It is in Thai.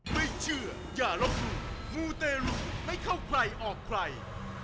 ไม่เชื่ออย่าลบหลู่มูเตรุไม่เข้าใครออกใคร